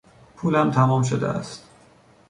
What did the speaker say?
پولم تمام شده است.